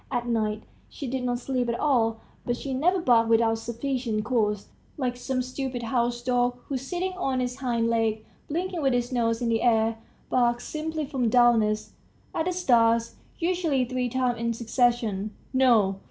At night she did not sleep at all, but she never barked without sufficient cause, like some stupid house dog, who, sitting on its hind legs, blinking, with its nose in the air, barks simply from dullness, at the stars, usually three times in succession. No!